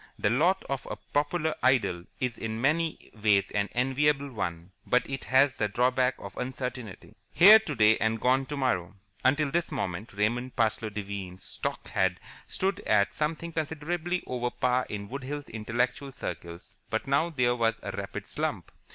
The lot of a popular idol is in many ways an enviable one, but it has the drawback of uncertainty. Here today and gone tomorrow. Until this moment Raymond Parsloe Devine's stock had stood at something considerably over par in Wood Hills intellectual circles, but now there was a rapid slump.